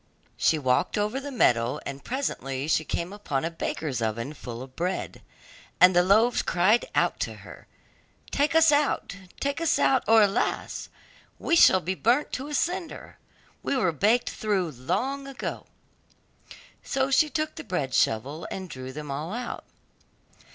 She walked over the meadow, and presently she came upon a baker's oven full of bread, and the loaves cried out to her, 'Take us out, take us out, or alas! we shall be burnt to a cinder; we were baked through long ago.' So she took the bread shovel and drew them all out.